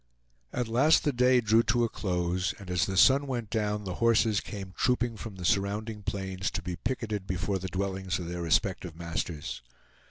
At last the day drew to a close, and as the sun went down the horses came trooping from the surrounding plains to be picketed before the dwellings of their respective masters.